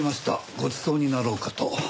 ごちそうになろうかと。